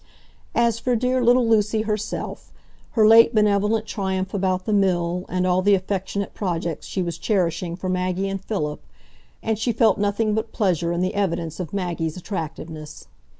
As for dear little Lucy herself, her late benevolent triumph about the Mill, and all the affectionate projects she was cherishing for Maggie and Philip, helped to give her the highest spirits to day, and she felt nothing but pleasure in the evidence of Maggie's attractiveness.